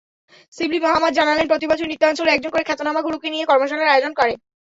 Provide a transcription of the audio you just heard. শিবলী মহম্মদ জানালেন, প্রতিবছরই নৃত্যাঞ্চল একজন করে খ্যাতনামা গুরুকে নিয়ে কর্মশালার আয়োজন করে।